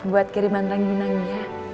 buat kiriman langit nangis ya